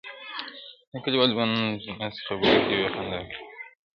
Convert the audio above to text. • کليوال ځوانان په طنز خبري کوي او خندا کوي..